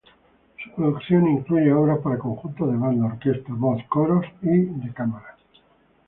Su producción incluye obras para conjuntos de banda, orquesta, voz, coros y de cámara.